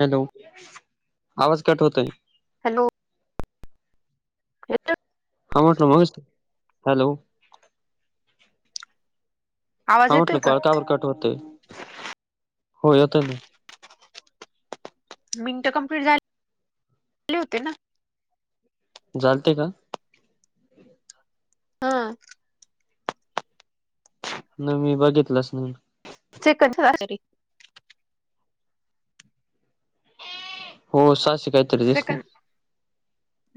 Hello, आवाज cut होतोय. Hello. येतोय हा म्हटलं मस्त, हॅलो. आवाज हा येतोय म्हटलं का पळतावर कट होतंय, हो येतंय ना. मिंट कंप्लीट झालेली होते ना. झालते का. हां [inaudible] मी बघितलाच नाही. चिकन खायासाठी हो [unintelligible] सेकंड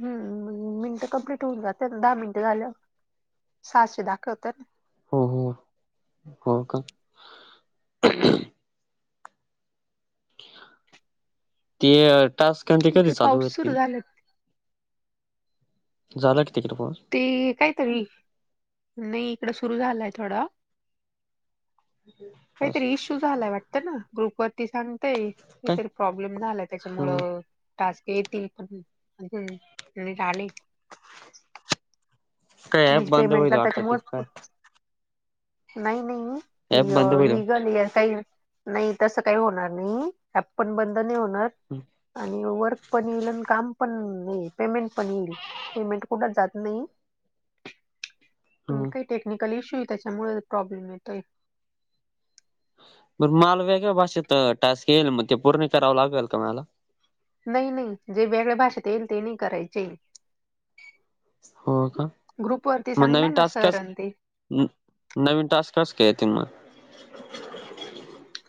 हम्म मिनिट कम्प्लीट होऊन जातात दहा मिनटं झाल्यावर. सहाशे दाखवत ना हो हो हो का ना ते अ टास्क त्यांचे कधी इकडे चालू पाऊस सुरू होतील? झाला झालं किती किं पण ते कायतरी नाही इकड सुरू झालंय थोडं पाऊस काहीतरी इश्यू झालाय वाटतं ना ग्रुप वरती सांगतय. काय काहीतरी प्रॉब्लेम झालाय ह त्याच्यामुळं टास्क येतील पण हम्म [inaudible] आले. काय ऍप म्हणजे बंद होईल पेमेंटला वाटत ते त्याच्यामुळंच काय नाही ऍप नाही बंद अह होईल लीगल [inaudible] नाही तसं काही होणार नाही, ह्यात पण बंद नाही होणार. हम्. आणि, वर्क पण येईल आणि काम पण नाही पेमेंट पण येईल, पेमेंट कुठंच जात नाही. ह पण काही टेक्निकल इशू हायं, त्याच्यामुळे प्रॉब्लेम येतोयं. मग मला वेगळ्या भाषेत टास्क येईल, मग ते पूर्ण करावं लागलं का मला. नाही नाही जे वेगळ्या भाषेत येईल ते नाही करायचे. हो का ग्रुप वरती मग नवीन सांगलाय ना टास्क कस सरां ते नवीन टास्क कस काय येतील मग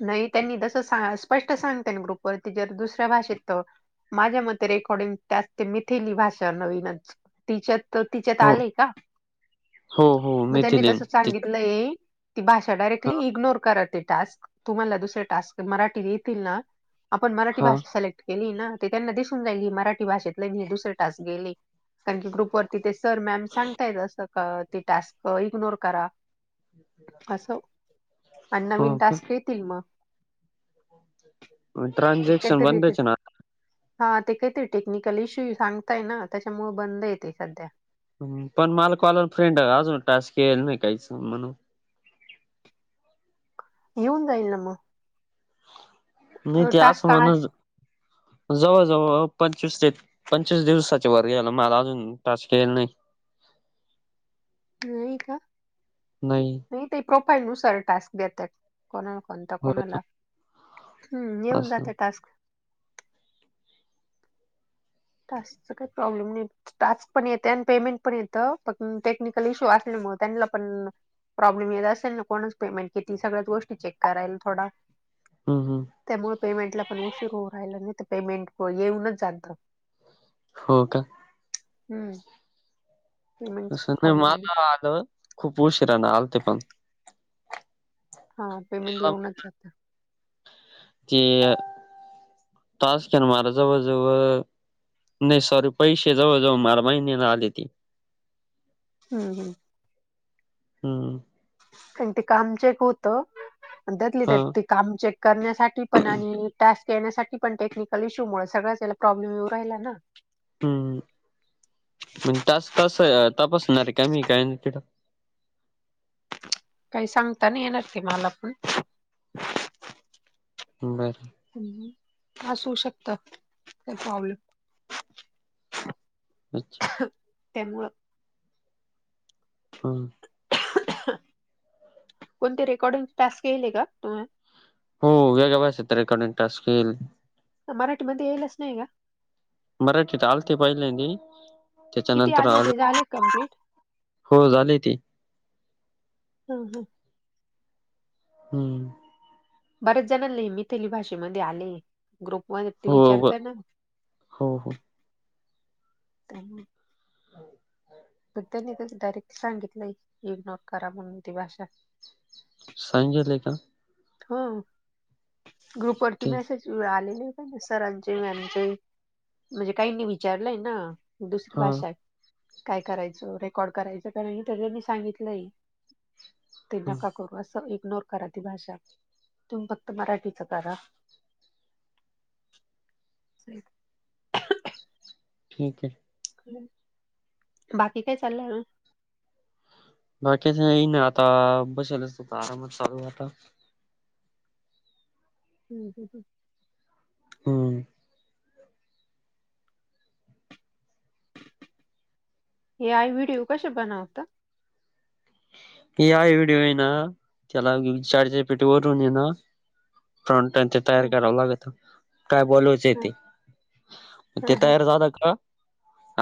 नाही त्यांनी जस सा स्पष्ट सांगत्यान ग्रुप वरती जर दुसऱ्या भाषेत तर माझ्या मते रेकॉर्डिंग त्यात ते मिथिली भाषा नवीनच तिच्यात त तिच्यात हो आलंय का हो हो मग त्यांनी मिथिलीन तस तिच्या सांगितलंय ती भाषा हा डायरेक्टली इग्नोर करा ते टास्क तुम्हाला दुसरे टास्क मराठीत येतील ना आपण मराठी हा भाषा सिलेक्ट केली ना ते त्यांना दिसून जाईल ही मराठी भाषेतले नाही हे दुसरे टास्क गेले. कारण की ग्रुप वरती ते सर मॅम सांगतायेत असं ते टास्क इग्नोर करा. असं अण् हो नवीन का टास्क येतील मग. ते ट्रान्झॅक्शन कायतरीे येतं. बंदच ना हा ते काहीतरी टेक्निकल इश्यू सांगताय ना त्याच्यामुळं बंद हे ते सध्या. हम्म पण मला कॉल फ्रेंड अजून टास्क यायला नाही काहीच म्हणून. येऊन जाईल ना म नाही ते असं टास्क म्हण जवळ जवळ पंचवीस हे त. पंचवीस दिवसाचे वर गेला मला अजून टास्क यायला नाही. नाही का? नाही. नाही ते [unintelligible] टास्क देतात कोणा कोणता हो कोणाला? हम्म! येऊन असं जातं टास्क. टास्कचं काही प्रॉब्लेम नाही. टास्क पण येते, आणि पेमेंट पण येतं, पण टेक्निकल इश्यू असल्यामुळं त्यांना पण प्रॉब्लेम येत असेल ना, कोणाचं पेमेंट किती सगळ्याच गोष्टी चेक करायल थोडा हम्म! हम्म. त्यामुळे पेमेंटला पण उशीर होऊ राहिला, नाही तर पेमेंट येऊनच जातं. हो का? [unintelligible] [inaudible] पेमेंटचा असं नाही, प्रॉब्लेम माज आलं खूप उशिराने आलते पण हा, पेमेंट त्याला येऊनच ते टास्क मला जवळजवळ नाही सॉरी, पैसे जवळजवळ मला महिन्याने आले ते [unintelligible] [inaudible] हम्म! कारण ते काम चेक होतं, त्यातले हा त्यात काम चेक करण्यासाठी, पण आणि टास्क येण्यासाठी पण, टेक्निकल इश्यूमुळे सगळंच याला प्रॉब्लेम येऊ राहिला ना. हम्म! म्हण तास तास तपासणार आहे का मी काय ना तिथं काही सांगताना नय येणार, ते मला पण बरं. ह्, असू शकतात, काय प्रॉब्लेम. [unintelligible] [inaudible] त्यामुळं हम. कोणते रेकॉर्डिंग टास्क यायले का? तुम्ह हो, वेगळ्या भाषेत त रेकॉर्डिंग टास्क मराठीमध्ये येईलच नाही ना मराठीत आलते पहिल्यांदी, किती त्याच्यानंतर आ आले ते झाले कम्प्लीट हो झाले ते हं हं. [unintelligible] [inaudible] बऱ्याच जणांना मिथीली भाषेमध्ये आले ग्रुप वनी हो ब विचारत ना- हो हो पग त्यांनी ते डायरेक्ट सांगितलंय इग्नोर करा म्हणून ती भाषा सांगितले का? हम, ग्रुप वरती ठीक मेसेज आलेले ना, सरांचे, मॅमचे, म्हणजे काहीनी विचारलंय ना दुसरी हा भाषा, काय करायचं रेकॉर्ड करायचं का नाही, त्यानी सांगितलंय ते हा नका करू, असं इग्नोर करा ती भाषा, तुम्ही फक्त मराठीच करा. [unintelligible] [inaudible] ठीक आहे. बाकी काय चाललंय? [unintelligible] आता बसेल अस आरामात चालू आता. [unintelligible] [inaudible] हम्म! एआय व्हिडिओ कसे बनवता? ऐआय व्हिडिओ आहे ना, त्याला चैट जिपेटी वरून ये ना, फॉंट त्या तयार हा करावं लागत, काय बनवायचं आहे हा ते, ते तयार हा झालं का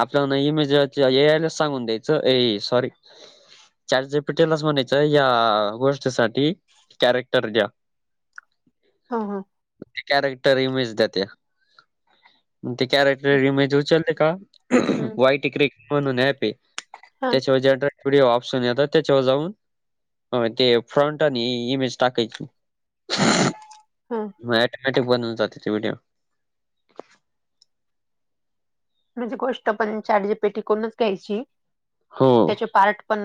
आपल्याला इमेज ए आयला सांगून द्यायचं. ए सौरी चाट जीपीटी ला टेलास म्हणायचं, या गोष्टीसाठी कॅरेक्टर द्या. हा. हा. ते कॅरेक्टर इमेज देते. ते कॅरेक्टर इमेज उचलते का? हम्म वाईट इकरिक म्हणून एॅपे, हा त्याच्यावर जनरल वडिओ ऑप्शन येतात. त्याच्यावर जाऊन ते फ्रँट आणि इमेज टाकायची. हा. म ऐटोमॅटीक बनून जात ते व्हडिओ. म्हणजे गोष्ट पण चॅट जि पि टी करूनच घ्यायची. हो. त्याचे पार्ट पण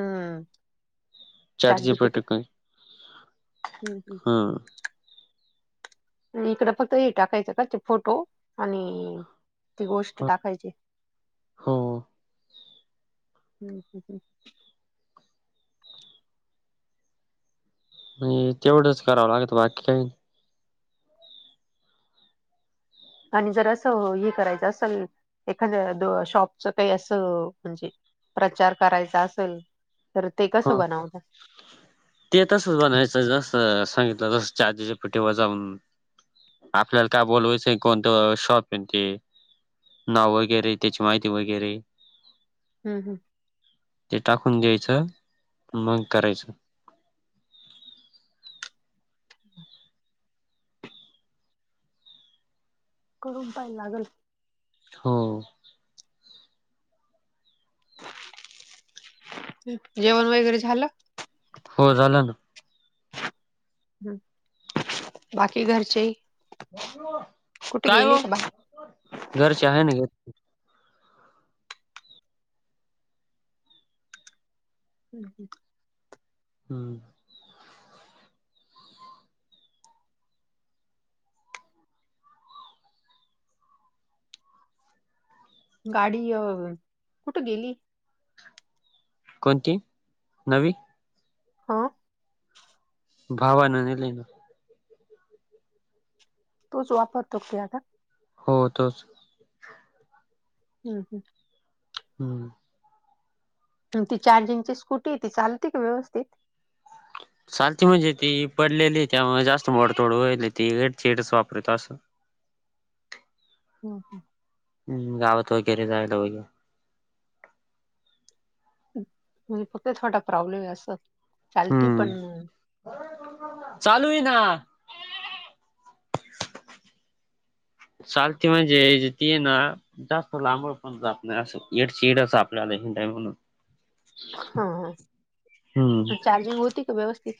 चॅट जी पी टी हा. इकडं फक्त हे टाकायचं का? फोटो आणि ते गोष्ट टाकायची. हो हहह नाही. तेवढंच करावं लागत बाकी काही नाही. आणि जर असं हे करायचं असल, एखाद्या शॉपच काही असं म्हणजे प्रचार करायचा असल, तर ते कसं ह बनवता? ते तसच बनायचं. जस सांगितलं तस चॅट जी पि टी वर जाऊन आपल्याला काय बोलवायचं कोणतं शॉप [unintelligible] नाव वगैरे, त्याची माहिती वगैरे हम्म् हम्म. ते टाकून द्यायचं मग करायचं. करून पाहाय लागल. हो. जेवण वगैरे झालं? हो झालं ना. हम् बाकी घरचे कुठे काय गेले ओ, का बा घरचे आहे ना घ हम हम. हम्म. गाडी अ कुठं गेली? कोणती नवी? हा. भावान नेलय ना. तूच वापरतो [unintelligible] का? हो. तोच. हम् हम्. हम्म. ती चार्जिंगची स्कूटी ती चालते का व्यवस्थित? चालती, म्हणजे ती पडलेली त्यामुळे जास्त मोडतोड व्हायल. ती हेडचीडच वापरत असं ह हम. हम्म. गावात वगैरे जायला वगैरे. म्हणजे फक्त थोडा प्रॉब्लेम आहे असं. चालती पण चालूई ना चालती म्हणजे ती ना जास्त लांबळ पण जात नाही. असं एडचिडच आपल्याला हिंडाय म्हणून. हा. हा. हम्म आणि चार्जिंग होती का व्यवस्थित?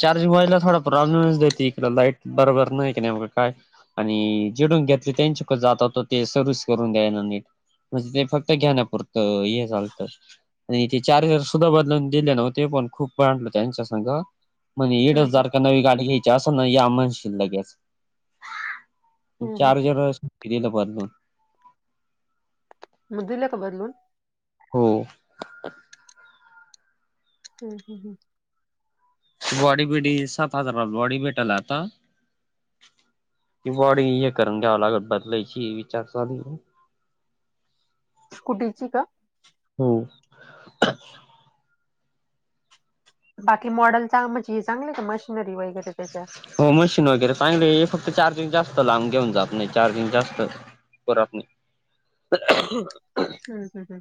चार्जिंग व्हायला थोडा प्रॉब्लेमच देती इकडं. लाईट बरोबर नाही की नीव काय? आणि जिडून घेतली त्यांच्याक जाताव त ते सर्विस करून द्यायना नीट, म्हणजे ते फक्त घ्याण्यापुरतं हे चालतं आणि ते चार्जर सुद्धा बदलवून दिले नव्हते पण खूप भांडलो त्यांच्यासंग. म्हणे एड हं, हं. हजार का नवी गाडी घ्यायची असं नाही की आम्हा म्हणशील लगेच हं, हं. चार्जरच दिलं बदलुन. म दिलं का बदलून? हो. हम् हम् हम बॉडी बिडी सात हजारात, बॉडी भेटल आता. की बाॅडी हे करुन घ्याव लागल, बदलायची विचार चालू हे. स्कुटीची का? हम्म. बाकी मॉडेलचा म्हणजे हे चांगले का मशिनरी वगैरे त्याच्या? हो मशीन वगैरे चांगली हे, फक्त चार्जिंग जास्त लांब घेऊन जात नाही चार्जिंग जास्त राहत नाही. हम हम हम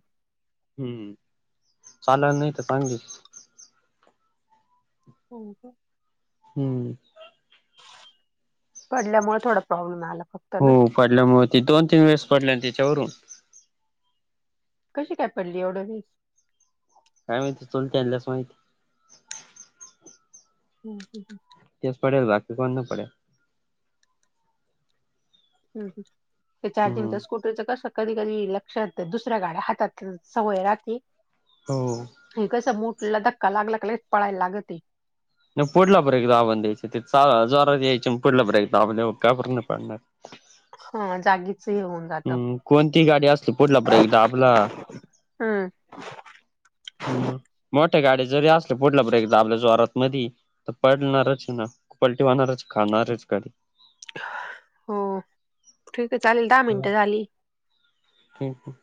हम्म चालाला नाही तर चांगलीच. हो का? हम्म पडल्यामुळे थोडा प्रॉब्लेम आला फक्त हो ना पडल्यामुळे ते दोन तीन वेळेस पडले ना त्याच्यावरून कशी काय पडली एवढं वेळेस काय माहिती चलत्यांनाच माहिती हम ह तेच पडेले बाकी कोणी नाही पडेल ह हम्म चार्जिंगच्या स्कूटी तुचं कसं कधी कधी लक्षात दुसऱ्या गाड्या हातात सवय राहती हो हे कसं मोठला धक्का लागला का लगेच पळायला लागती नाही पुढला ब्रेक दाबून द्यायची, तीचा जोरात यायची पुढला ब्रेक दाबल्यावर का बरं नाही पडणार. हा जागीच येऊन हम् कोणती गाडी असली पुढला ब्रेक दाबला हम्म ह् मोठ्या गाड्या जरी असल्या पुढला ब्रेक दाबला जोरात मधी तर पडणारच ना पलटी वाहणारच खाणारच कडी हो ठीक आहे चालेल दहा मिनटं झाली क